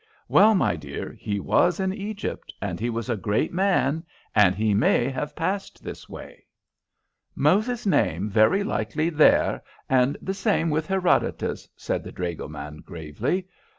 "Well, my dear, he was in Egypt, and he was a great man, and he may have passed this way." "Moses's name very likely there, and the same with Herodotus," said the dragoman, gravely.